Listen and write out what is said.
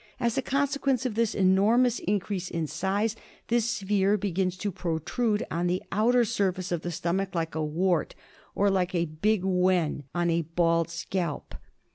As a consequence of this enormous increase in size, the sphere comes to protrude on the outer surface of the stomach, like a wart, or like a big wen on a bald scalp.